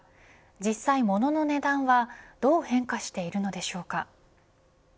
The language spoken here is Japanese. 実際、物の値段はどう変化しているのでしょうか。